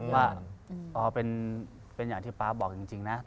ว่าอ๋อเป็นอย่างที่ป๊าบอกจริงนะ